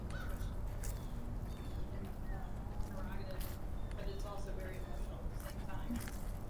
It is in Taunton that he met Oliver Hazard Perry.